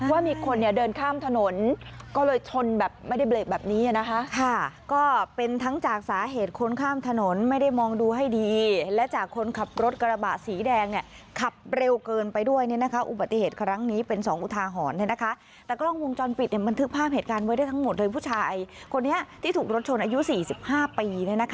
ว่ามีคนเนี่ยเดินข้ามถนนก็เลยชนแบบไม่ได้เบรกแบบนี้นะคะค่ะก็เป็นทั้งจากสาเหตุคนข้ามถนนไม่ได้มองดูให้ดีและจากคนขับรถกระบะสีแดงเนี่ยขับเร็วเกินไปด้วยเนี่ยนะคะอุบัติเหตุครั้งนี้เป็นสองอุทาหรณ์เนี่ยนะคะแต่กล้องวงจรปิดเนี่ยบันทึกภาพเหตุการณ์ไว้ได้ทั้งหมดโดยผู้ชายคนนี้ที่ถูกรถชนอายุ๔๕ปี